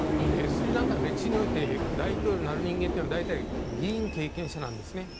スリランカの歴史において大統領になる人間は大体、議員経験者なんですね。